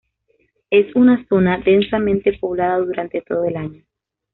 Es una zona densamente poblada durante todo el año.